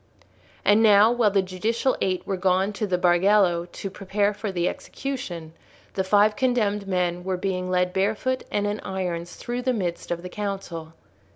And now, while the judicial Eight were gone to the Bargello to prepare for the execution, the five condemned men were being led barefoot and in irons through the midst of the council.